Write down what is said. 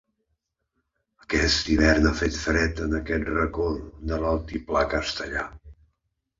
Aquest hivern ha fet fred en aquest racó de l’altiplà castellà.